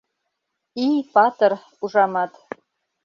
Ий патыр, ужамат.